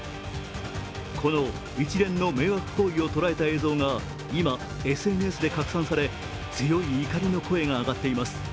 この一連の迷惑行為を捉えた映像が今、ＳＮＳで拡散され強い怒りの声が上がっています。